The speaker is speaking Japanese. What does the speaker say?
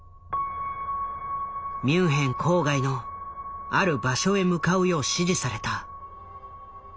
ミュンヘン郊外のある場所へ向かうよう指示された。